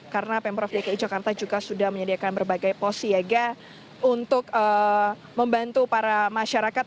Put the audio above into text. karena pemprov dki jakarta juga sudah menyediakan berbagai pos siaga untuk membantu para masyarakat